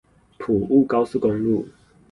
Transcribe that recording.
埔霧高速公路